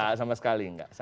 nggak sama sekali nggak